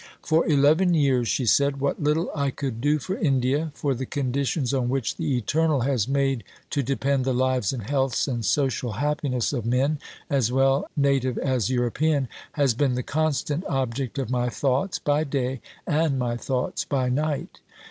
"For eleven years," she said, "what little I could do for India, for the conditions on which the Eternal has made to depend the lives and healths and social happiness of men, as well Native as European, has been the constant object of my thoughts by day and my thoughts by night."